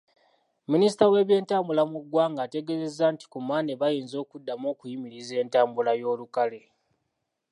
Minisita w’ebyentambula mu ggwanga ategeezezza nti ku Mmande bayinza okuddamu okuyimiriza entambula y’olukale.